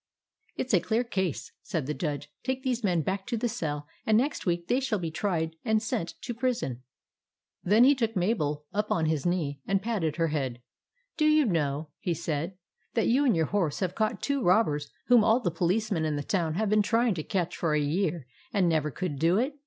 " It 's a clear case," said the Judge. " Take these men back to the cell, and next week they shall be tried and sent to prison." REX PLAYS POLICEMAN 17 Then he took Mabel, up on his knee and patted her head. " Do you know," he said, " that you and your horse have caught two robbers whom all the policemen in the town have been trying to catch for a year, and never could do it?